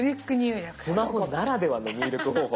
スマホならではの入力方法。